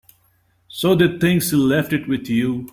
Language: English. So they think she left it with you.